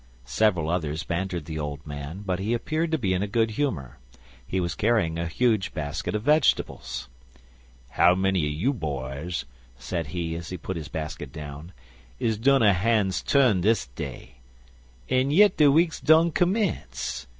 Several others bantered the old man, but he appeared to be in a good humor. He was carrying a huge basket of vegetables. "How many er you boys," said he, as he put his basket down, "is done a han's turn dis day? En yit de week's done commence.